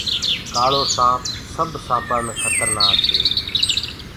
ڪآݪوسآنٚپ سب سآپآنٚ مي کترنآڪ هي